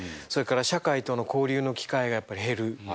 それから社会との交流の機会がやっぱり減る。